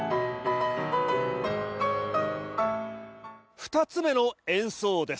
２つ目の演奏です。